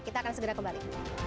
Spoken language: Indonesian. kita akan segera kembali